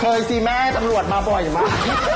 เคยสิแม่สำรวจมาบ่อยมา